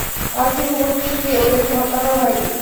পার্থিব কোনোকিছু দিয়ে ওদেরকে হত্যা করা হয়নি।